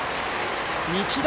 日大